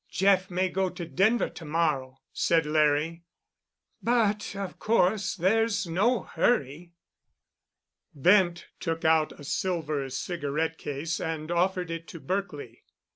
"Jeff may go to Denver to morrow," said Larry, "but of course there's no hurry——" Bent took out a silver cigarette case and offered it to Berkely.